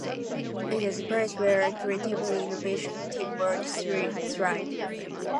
It is a place where creativity, innovation, and teamwork thrive.